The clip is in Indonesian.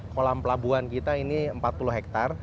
kolam pelabuhan kita ini empat puluh hektare